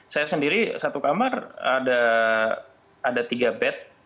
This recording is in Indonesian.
saya sendiri satu kamar ada tiga bed